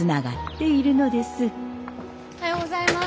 おはようございます。